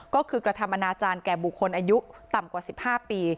ก็คือกธรรมนาจารย์แก่บุคคลอายุต่ำกว่าสิบห้าปี